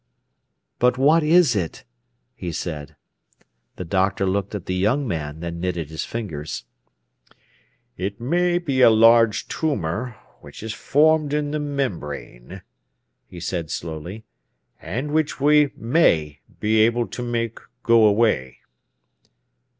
"But what is it?" he said. The doctor looked at the young man, then knitted his fingers. "It may be a large tumour which has formed in the membrane," he said slowly, "and which we may be able to make go away."